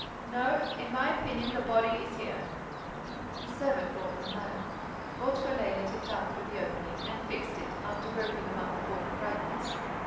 —No, in my opinion, the body is here." A servant brought them a ladder. Beautrelet let it down through the opening and fixed it, after groping among the fallen fragments.